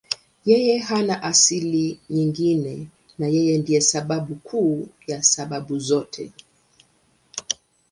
Yeye hana asili nyingine na Yeye ndiye sababu kuu ya sababu zote.